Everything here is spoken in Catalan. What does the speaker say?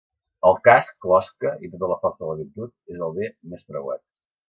El casc (closca) i tota la força de la virtut és el bé més preuat